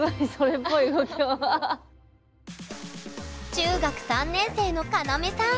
中学３年生のカナメさん。